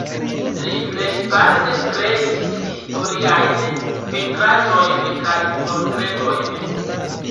Li plejparte kreis historiajn pentraĵojn kaj portretojn.